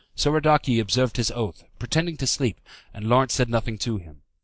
Soradaci observed his oath, pretending to sleep, and Lawrence said nothing to him.